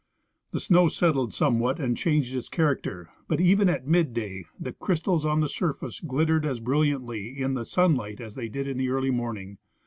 The snow settled somewhat and changed its character, but even at midday the crystals on the surface glittered as brilliantly in the sunlight as they did in the early morning.